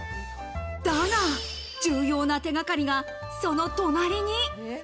だが、重要な手がかりがその隣に。